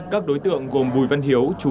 các đối tượng gồm bùi văn hiếu